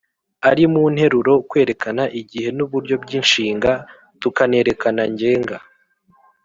ari mu nteruro, kwerekana igihe n’uburyo by’inshinga, tukanerekana ngenga.